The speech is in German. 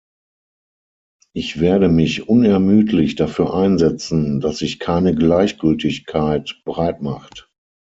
Ich werde mich unermüdlich dafür einsetzen, dass sich keine Gleichgültigkeit breit macht.